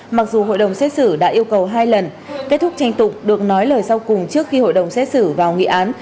mặc dù hội đồng xét xử đã yêu cầu hai lần kết thúc tranh tục được nói lời sau cùng trước khi hội đồng xét xử vào nghị án